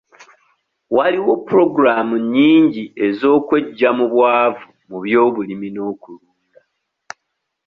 Waliwo pulogulaamu nnyingi ez'okweggya mu bwavu mu by'obulimi n'okulunda..